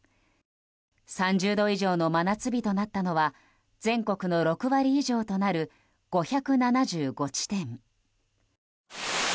３０度以上の真夏日となったのは全国の６割以上となる５７５地点。